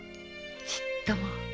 ちっとも。